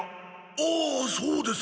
ああそうですか。